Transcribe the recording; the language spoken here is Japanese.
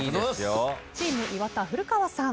チーム岩田古川さん。